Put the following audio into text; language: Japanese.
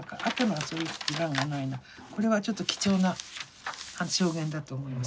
これはちょっと貴重な証言だと思います。